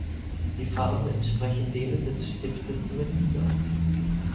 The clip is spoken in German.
Die Farben entsprechen denen des Stiftes Münster.